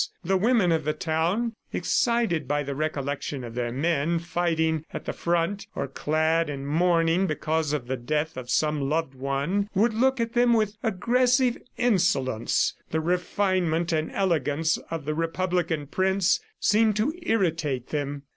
... The women of the town, excited by the recollection of their men fighting at the front, or clad in mourning because of the death of some loved one, would look at them with aggressive insolence. The refinement and elegance of the Republican Prince seemed to irritate them.